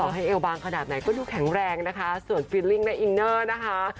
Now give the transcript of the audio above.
ให้เอวบางขนาดไหนก็ดูแข็งแรงนะคะส่วนฟิลลิ่งและอินเนอร์นะคะ